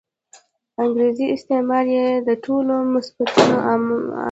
انګریزي استعمار یې د ټولو مصیبتونو عامل باله.